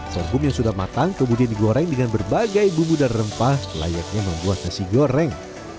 sorghum yang sudah matang kemudian digoreng dengan berbagai bumbu dan rempah layaknya membuat nasi goreng